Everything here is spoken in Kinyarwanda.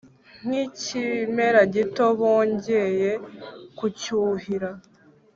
Nk ikimera gito bongeye kucyuhira